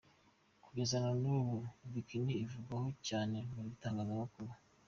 Kugeza na n’ubu “Bikini” ivugwaho cyane mu bitangazamakuru.